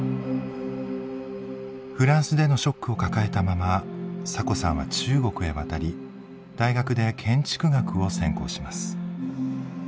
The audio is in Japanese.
フランスでのショックを抱えたままサコさんは中国へ渡り大学で建築学を専攻します。